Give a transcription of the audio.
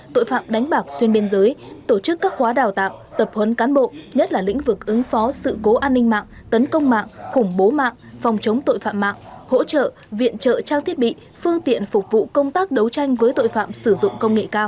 tội phạm đánh bạc xuyên biên giới tổ chức các khóa đào tạo tập huấn cán bộ nhất là lĩnh vực ứng phó sự cố an ninh mạng tấn công mạng khủng bố mạng phòng chống tội phạm mạng hỗ trợ viện trợ trang thiết bị phương tiện phục vụ công tác đấu tranh với tội phạm sử dụng công nghệ cao